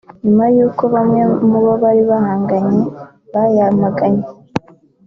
nyuma y’uko bamwe mu bo bari bahanganye bayamaganye